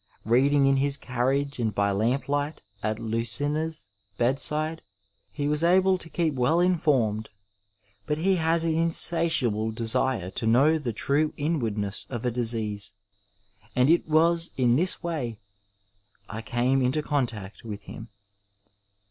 Beading in his carriage and by lamplight at Lncina's bedside, he was able to keep well informed ; but he had an insatiable desire to know the true inwardness of adisease, and it was in this way I came into contact with him.